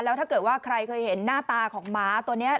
แล้วถ้าเกิดว่าใครเคยเห็นหน้าตาของหมาตัวนี้